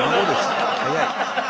早い。